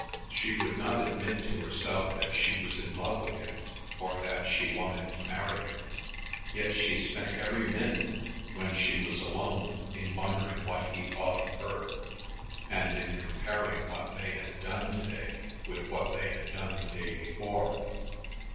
She would not admit to herself that she was in love with him or that she wanted to marry him, yet she spent every minute when she was alone in wondering what he thought of her, and in comparing what they had done to day with what they had done the day before.